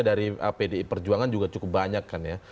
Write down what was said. dari pdi perjuangan juga cukup banyak kan ya